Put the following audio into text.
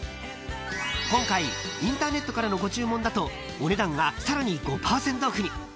［今回インターネットからのご注文だとお値段がさらに５％オフに］